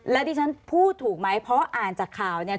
แล้วที่ฉันพูดถูกไหมเพราะอ่านจากข่าวเนี่ย